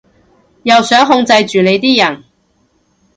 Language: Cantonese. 又想控制住你啲人